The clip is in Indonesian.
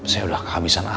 saya udah kehabisan akal